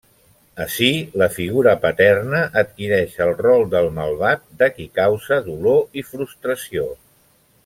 Ací, la figura paterna adquireix el rol del malvat, de qui causa dolor i frustració.